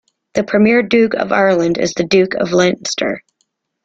The premier duke of Ireland is the Duke of Leinster.